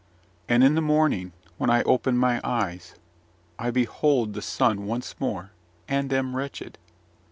And in the morning, when I open my eyes, I behold the sun once more, and am wretched.